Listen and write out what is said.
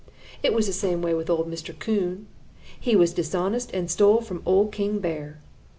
"It was the same way with old Mr. Coon. He was dishonest and stole from Old King Bear.